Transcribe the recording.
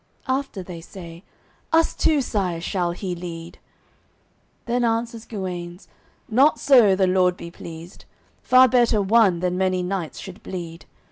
After they say: "Us too, Sire, shall he lead." Then answers Guenes: "Not so, the Lord be pleased! Far better one than many knights should bleed.